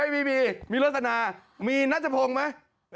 ไม่มีมีรสนามีนัทพงศ์ไหม